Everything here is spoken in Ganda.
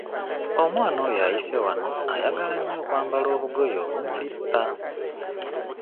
Omwana oyo ayise wano ayagala nnyo okwambala obugoye obumulippa.